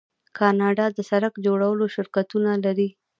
کاناډا د سړک جوړولو شرکتونه لري.